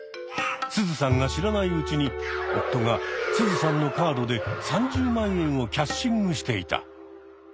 スズさんが知らないうちに夫がスズさんのカードで３０万円をキャッシングしていた。